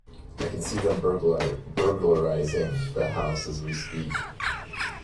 I can see them burglarizing the house as we speak!.